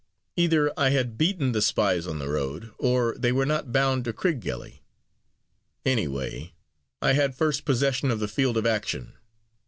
Either I had beaten the spies on the road, or they were not bound to Crickgelly. Any way, I had first possession of the field of action.